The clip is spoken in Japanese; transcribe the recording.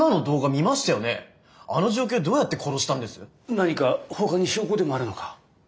何かほかに証拠でもあるのか？